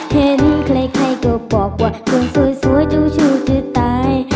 เห็นใครก็บอกว่าคนสวยจู่เธอตาย